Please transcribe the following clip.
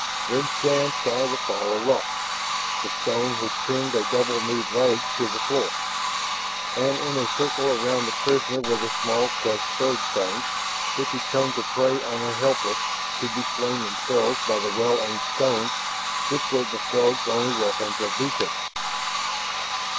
Then Shann saw the fall of rock, the stone which pinned a double kneed leg to the floor. And in a circle about the prisoner were the small, crushed, furred things which had come to prey on the helpless to be slain themselves by the well aimed stones which were the Throg's only weapons of defense.